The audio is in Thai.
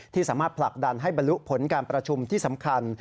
สามารถผลักดันให้บรรลุผลการประชุมที่สำคัญ